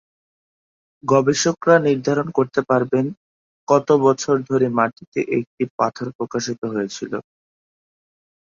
গবেষকরা নির্ধারণ করতে পারবেন কত বছর ধরে মাটিতে একটি পাথর প্রকাশিত হয়েছিল।